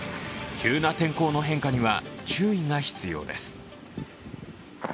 急な天候の変化には注意が必要です。